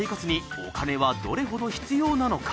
お金はどれほど必要なのか？